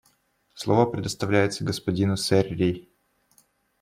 Слово предоставляется господину Серри.